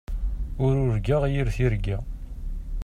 Ur urgaɣ yir tirga.